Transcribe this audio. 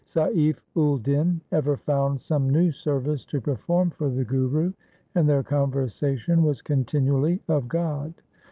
Saif ul din ever found some new service to perform for the Guru, and their conversation was continually of God.